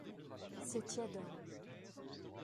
C'est tiède.